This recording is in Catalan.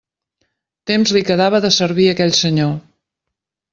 Temps li quedava de servir aquell senyor.